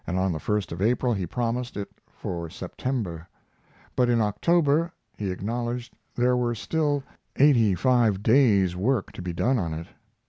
On the 1st of April he promised it for September, but in October he acknowledged there were still eighty five days' work to be done on it.